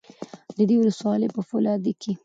د دې ولسوالۍ په فولادي کې